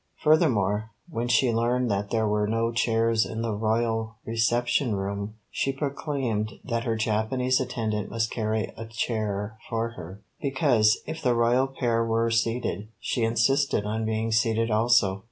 Furthermore, when she learned that there were no chairs in the Royal reception room, she proclaimed that her Japanese attendant must carry a chair for her; because, if the Royal pair were seated, she insisted on being seated also.